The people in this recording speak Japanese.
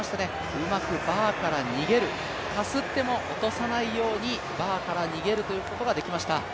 うまくバーから逃げる、かすっても落とさないようにバーから逃げるということができました。